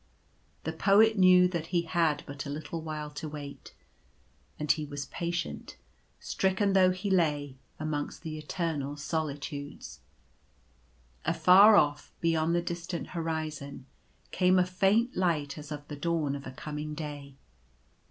The Poet knew that he had but a little while to wait, and he was patient — stricken though he lay, amongst the Eternal Solitudes. Afar off, beyond the distant horizon, came a faint light as of the dawn of a coming day.